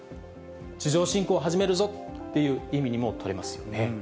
地上侵攻を始めるぞっていう意味にも取れますよね。